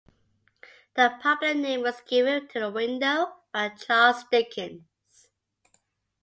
The popular name was given to the window by Charles Dickens.